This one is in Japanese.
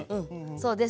そうです。